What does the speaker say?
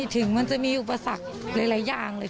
ถึงมันจะมีอุปสรรคหลายอย่างเลย